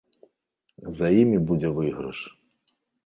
За імі будзе выйгрыш.